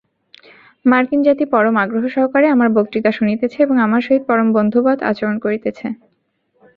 মার্কিন জাতি পরম আগ্রহ সহকারে আমার বক্তৃতা শুনিতেছে এবং আমার সহিত পরমবন্ধুবৎ আচরণ করিতেছে।